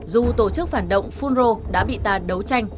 dù tổ chức phản động funro đã bị ta đấu tranh